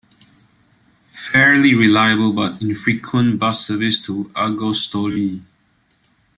Fairly reliable but infrequent bus service to Argostoli.